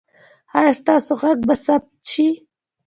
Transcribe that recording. ایا ستاسو غږ به ثبت شي؟